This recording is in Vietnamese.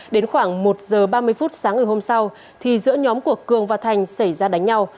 đến khoảng một giờ ba mươi phút sáng ngày hôm sau thì giữa nhóm của cường và thành xảy ra đánh nhau